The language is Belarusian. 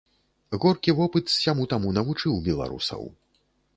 Горкі вопыт сяму-таму навучыў беларусаў.